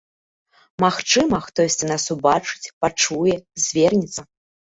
Магчыма, хтосьці нас убачыць, пачуе, звернецца.